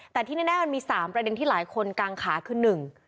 แต่ที่แน่มันมีสามประเด็นที่หลายคนกางขาคือหนึ่ง